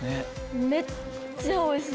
めっちゃおいしい！